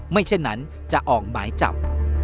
เช่นนั้นจะออกหมายจับ